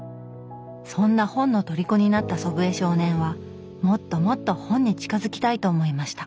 そんな本のとりこになった祖父江少年はもっともっと本に近づきたいと思いました。